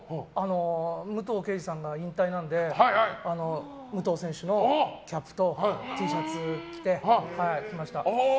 武藤敬司さんが引退なので武藤選手のキャップとＴシャツを着て来ました。